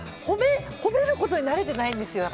褒めることに慣れてないんですよ。